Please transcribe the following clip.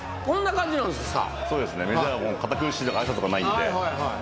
こんな感じなんですか。